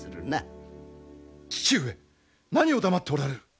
父上何を黙っておられる？